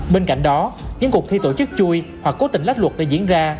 bên cạnh đó những cuộc thi tổ chức chui hoặc cố tình lách luật đã diễn ra